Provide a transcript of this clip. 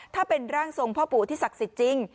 ถ้าเป็นร่างทรงพ่อปู่ที่ศักดิ์สิทธิ์จริง